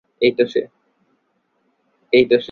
এই তো সে।